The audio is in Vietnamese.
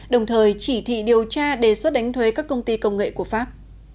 đồng thời chỉ thị điều tra đề xuất đánh thuế các công ty công nghệ của pháp